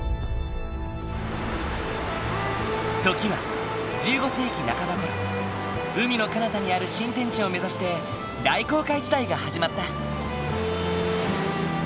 時は１５世紀半ばごろ海のかなたにある新天地を目指して大航海時代が始まった。